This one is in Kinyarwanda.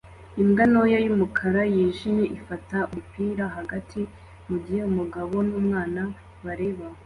Imbwa ntoya yumukara nijimye ifata umupira hagati mugihe umugabo numwana bareba